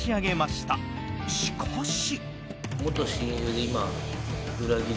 しかし。